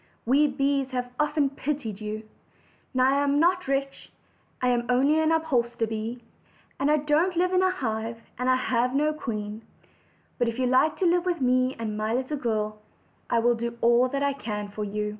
We bees have often pitied you. Now I am not rich; I am only an upholsterer bee, and I don't live in a hive, and I have no queen; but if you like to live with me and be my little girl, I will do all I can for you."